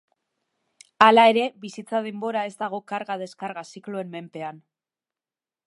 Hala ere, bizitza-denbora ez dago karga-deskarga zikloen menpean.